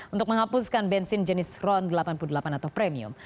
untuk menghapuskan bensin jenis ron delapan puluh delapan atau premium